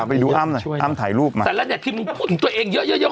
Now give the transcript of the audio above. เอาไปดูอ้ำหน่อยอ้ำถ่ายรูปมาแต่ละเนี่ยพี่มึงพูดถึงตัวเองเยอะ